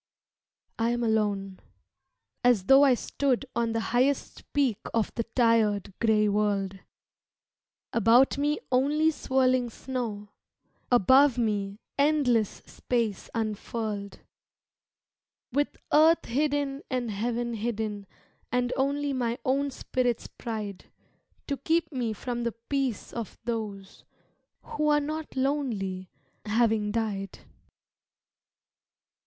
I am alone, as though I stood On the highest peak of the tired gray world, About me only swirling snow, Above me, endless space unfurled; With earth hidden and heaven hidden, And only my own spirit's pride To keep me from the peace of those Who are not lonely, having died.